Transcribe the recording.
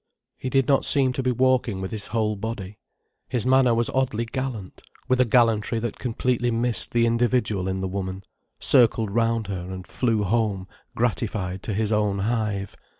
He did not seem to be walking with his whole body. His manner was oddly gallant, with a gallantry that completely missed the individual in the woman, circled round her and flew home gratified to his own hive.